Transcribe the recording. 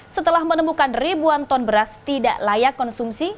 setelah menemukan ribuan ton beras tidak layak konsumsi